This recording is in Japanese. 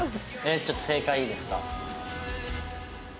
ちょっと正解いいですか？